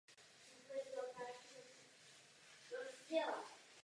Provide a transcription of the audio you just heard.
Poté vyrazil směrem na jih k Oxfordu.